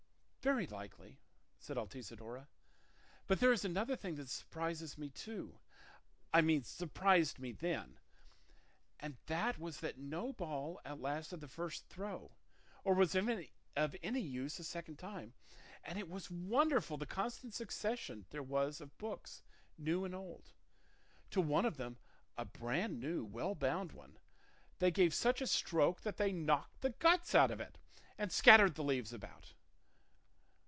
"Very likely," said Altisidora; "but there is another thing that surprises me too, I mean surprised me then, and that was that no ball outlasted the first throw or was of any use a second time; and it was wonderful the constant succession there was of books, new and old. To one of them, a brand new, well bound one, they gave such a stroke that they knocked the guts out of it and scattered the leaves about.